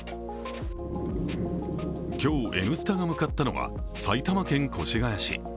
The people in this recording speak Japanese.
今日、「Ｎスタ」が向かったのは埼玉県越谷市。